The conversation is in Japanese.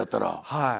はい。